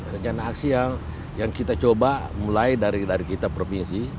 rencana aksi yang kita coba mulai dari kita provinsi